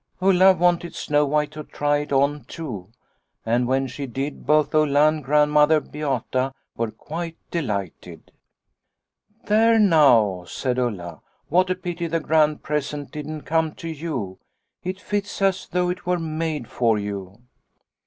Ulla wanted Snow White to try it on too, and when she did both Ulla and Grandmother Beata were quite delighted. ' There now,' said Ulla, ' what a pity the grand present didn't come to you ; it fits as though it were made for you.'